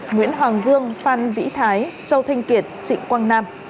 nguyễn hoàng dương phan vĩ thái châu thanh kiệt trịnh quang nam